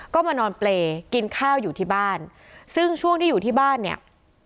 ก็มานอนเปรย์กินข้าวอยู่ที่บ้านซึ่งช่วงที่อยู่ที่บ้านเนี่ย